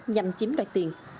nhằm chiếm đoạt tiền